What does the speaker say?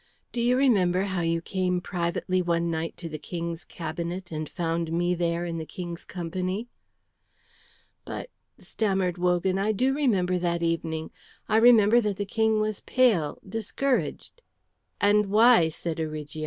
Do you remember how you came privately one night to the King's cabinet and found me there in the King's company?" "But," stammered Wogan, "I do remember that evening. I remember that the King was pale, discouraged " "And why?" said Origo.